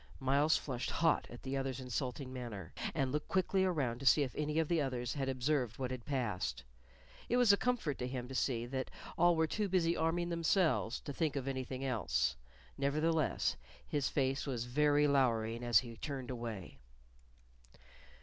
Myles flushed hot at the other's insulting manner, and looked quickly around to see if any of the others had observed what had passed. It was a comfort to him to see that all were too busy arming themselves to think of anything else; nevertheless, his face was very lowering as he turned away.